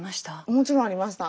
もちろんありました。